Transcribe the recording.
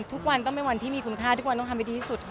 ทุกวันต้องเป็นวันที่มีคุณค่าทุกวันต้องทำให้ดีที่สุดค่ะ